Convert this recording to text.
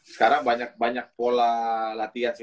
sekarang banyak banyak pola latihan sih